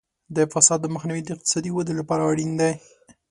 د فساد مخنیوی د اقتصادي ودې لپاره اړین دی.